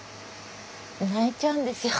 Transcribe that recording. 泣いちゃうんですよ